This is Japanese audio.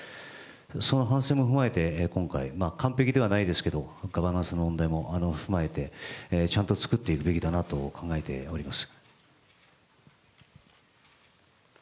その反省も踏まえて今回、完璧ではないですけど、ガバナンスの問題も踏まえてちゃんと作っていくべきだと考えております。